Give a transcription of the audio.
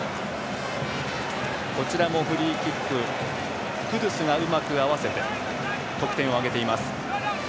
こちらもフリーキッククドゥスがうまく合わせて得点を挙げています。